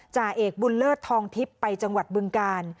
จ่าเอกบุญเลิศทองทิพย์ไปจังหวัดบึงกาล